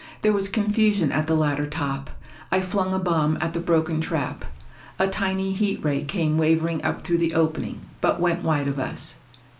There was confusion at the ladder top. I flung a bomb at the broken trap. A tiny heat ray came wavering up through the opening, but went wide of us.